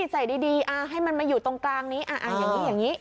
ใส่ดีให้มันมาอยู่ตรงกลางนี้อย่างนี้อย่างนี้